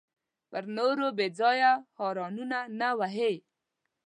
پر نورو به بېځایه هارنونه نه وهې.